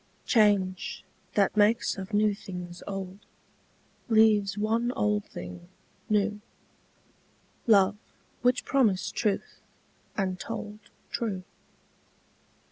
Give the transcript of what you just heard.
Change, that makes of new things old, Leaves one old thing new; Love which promised truth, and told True.